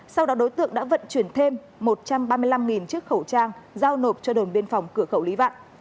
sau đó đối tượng đã vận chuyển thêm một trăm ba mươi năm chiếc khẩu trang giao nộp cho đồn biên phòng cửa khẩu lý vạn